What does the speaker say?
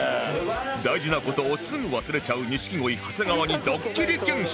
大事な事をすぐ忘れちゃう錦鯉長谷川にドッキリ検証